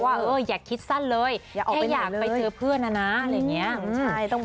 ว่าอย่าคิดสั้นเลยแค่อยากไปเจอเพื่อนนะนะอะไรอย่างนี้